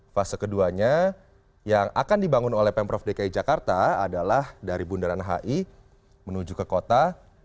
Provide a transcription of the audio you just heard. fase keduanya yang akan dibangun oleh pemprov dki jakarta adalah dari bundaran hi menuju ke kota